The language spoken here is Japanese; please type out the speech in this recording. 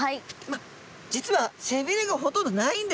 まあ実はせびれがほとんどないんですね。